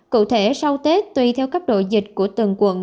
cụ thể sau tết tùy theo cấp độ dịch của từng quận